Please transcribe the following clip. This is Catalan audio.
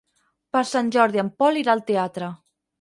Per Sant Jordi en Pol irà al teatre.